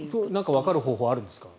わかる方法はあるんですか？